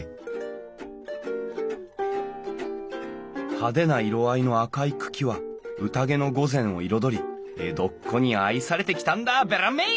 派手な色合いの赤い茎は宴の御膳を彩り江戸っ子に愛されてきたんだべらんめい！